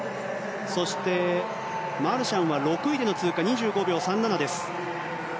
そして、マルシャンは６位での通過、２５秒３７です。